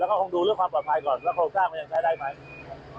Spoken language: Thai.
แล้วก็คงดูเรื่องความปลอดภัยก่อนว่าโครงสร้างมันยังใช้ได้ไหม